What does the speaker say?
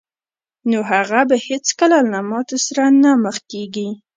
نو هغه به هېڅکله له ماتې سره نه مخ کېږي